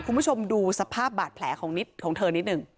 คุณผู้ชมดูสภาพบาดแผลของนิดของเธอนิดหนึ่ง